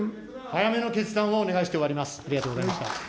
早めの決断をお願いして終わります。